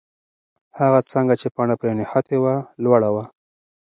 هغه څانګه چې پاڼه پرې نښتې وه، لوړه وه.